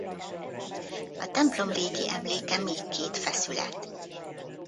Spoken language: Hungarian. A templom régi emléke még két feszület.